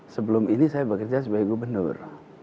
sebelum ini saya bekerja sebagai gubernur